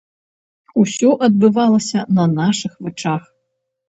Усё адбывалася на нашых вачах.